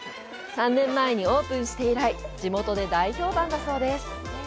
３年前にオープンして以来地元で大評判だそうです。